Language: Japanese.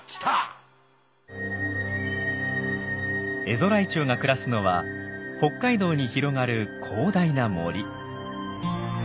エゾライチョウが暮らすのは北海道に広がる広大な森。